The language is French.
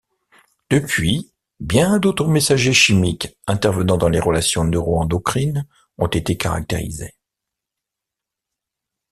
Depuis, bien d’autres messagers chimiques intervenant dans les relations neuroendocrines ont été caractérisés.